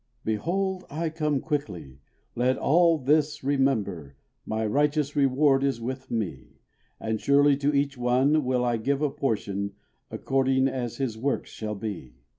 "Behold, I come quickly, let all this remember, My righteous reward is with Me; And surely to each one will I give a portion, According as his works shall be.